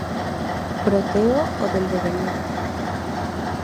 Proteo o del devenir".